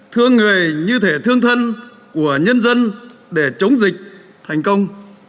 thương người như thể thương thân của nhân dân để chống dịch thành công